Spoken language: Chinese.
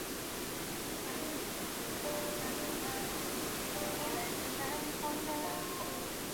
双方长期以来的对立情绪和彼此仇恨在此刻爆发。